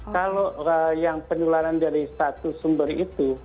kalau yang penularan dari satu sumber itu